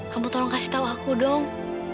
kamu tolong kasih tahu aku dong